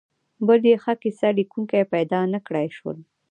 بل یې ښه کیسه لیکونکي پیدا نکړای شول.